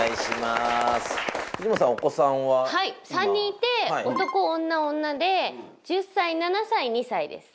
３人いて男女女で１０歳７歳２歳です。